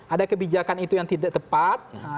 ada kebijakan itu yang tidak tepat